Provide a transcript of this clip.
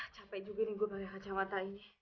capek juga nih gue dari kacamata ini